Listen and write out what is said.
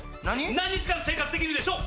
何日間生活できるでしょう？